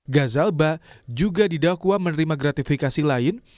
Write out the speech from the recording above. gazalba juga didakwa menerima gratifikasi lain